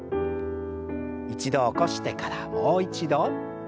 一度起こしてからもう一度。